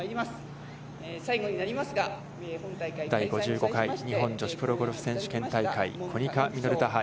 第５５回日本女子プロゴルフ選手権大会コニカミノルタ杯。